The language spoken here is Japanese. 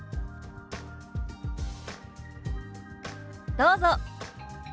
どうぞ。